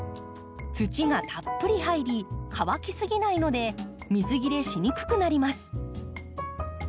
土がたっぷり入り乾きすぎないので水切れしにくくなります。